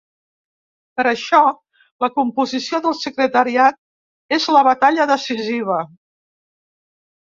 Per això, la composició del secretariat és la batalla decisiva.